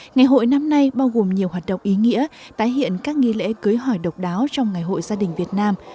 ngày hội năm nay bao gồm nhiều hoạt động ý nghĩa tái hiện các nghi lễ cưới hỏi độc đáo trong ngày hội gia đình việt nam